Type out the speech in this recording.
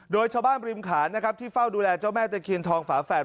โดยชาวบ้านริมขานนะครับที่เฝ้าดูแลเจ้าแม่ตะเคียนทองฝาแฝด